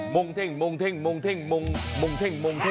โมงเท้งโมงเท้งโมงโมงเท้งโมงเท้ง